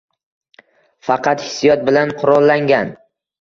faqat hissiyot bilan «qurollangan»